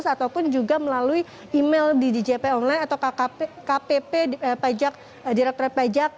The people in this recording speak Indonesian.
ataupun juga melalui email di djp online atau kpp pajak direkturat pajak